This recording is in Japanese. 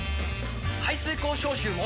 排水口消臭も！